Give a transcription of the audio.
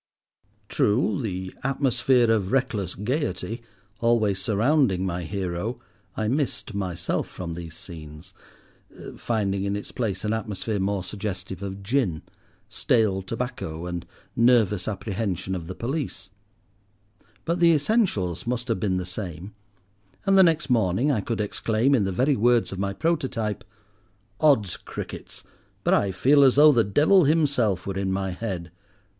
True, the atmosphere of reckless gaiety, always surrounding my hero, I missed myself from these scenes, finding in its place an atmosphere more suggestive of gin, stale tobacco, and nervous apprehension of the police; but the essentials must have been the same, and the next morning I could exclaim in the very words of my prototype—"Odds crickets, but I feel as though the devil himself were in my head.